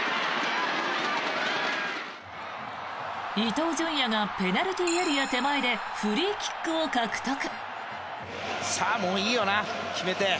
伊東純也がペナルティーエリア手前でフリーキックを獲得。